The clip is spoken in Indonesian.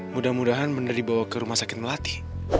mudah mudahan benar dibawa ke rumah sakit melati